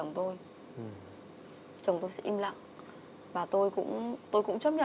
nó do chị với anh